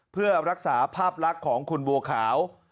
เพื่อรักษาภาพลักษณ์ของคุณบัวขาว